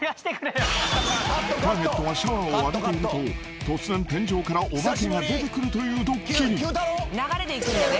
［ターゲットがシャワーを浴びていると突然天井からお化けが出てくるというドッキリ］